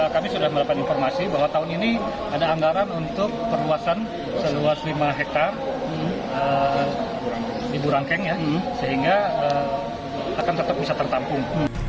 kami sudah mendapat informasi bahwa tahun ini ada anggaran untuk perluasan seluas lima hektare di burangkeng sehingga akan tetap bisa tertampung